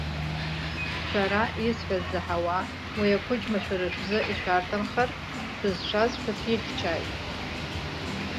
Шәара, исҳәаз заҳауа, уи ақәыџьма шәара шәзы ишәарҭамхартә, шәызшаз шәацәихьчааит.